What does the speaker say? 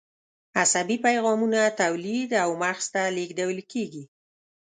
عصبي پیغامونه تولید او مغز ته لیږدول کېږي.